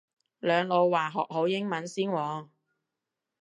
兩老話學好英文先喎